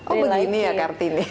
oh begini ya kartini